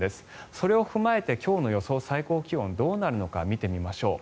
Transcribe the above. それを踏まえて今日の予想最高気温どうなるのか見ていきましょう。